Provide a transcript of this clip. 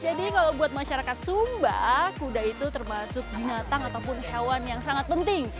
jadi kalau buat masyarakat sumba kuda itu termasuk binatang ataupun hewan yang sangat penting